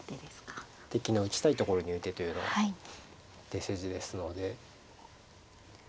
「敵の打ちたいところに打て」というのは手筋ですので。